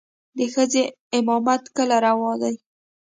د ښځې امامت کله روا دى.